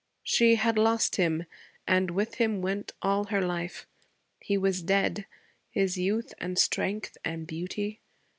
She had lost him, and with him went all her life. He was dead, his youth and strength and beauty.